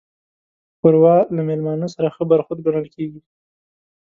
ښوروا له میلمانه سره ښه برخورد ګڼل کېږي.